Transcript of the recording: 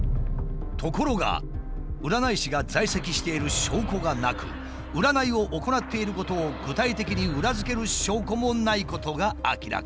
ところが占い師が在籍している証拠がなく占いを行っていることを具体的に裏付ける証拠もないことが明らかに。